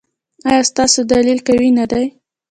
ایا ستاسو دلیل قوي نه دی؟